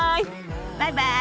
バイバイ！